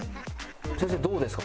先生どうですか？